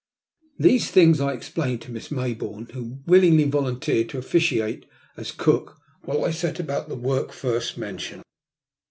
These things I explained to Miss Mayboume, who willingly volunteered to officiate as cook while I set about the work first mentioned.